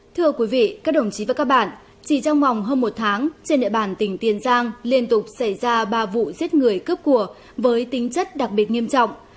thưa quý vị các đồng chí và các bạn chỉ trong vòng hơn một tháng trên địa bàn tỉnh tiền giang liên tục xảy ra ba vụ giết người cướp của với tính chất đặc biệt nghiêm trọng